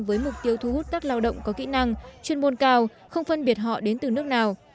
với mục tiêu thu hút các lao động có kỹ năng chuyên môn cao không phân biệt họ đến từ nước nào